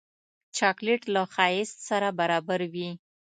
چاکلېټ له ښایست سره برابر وي.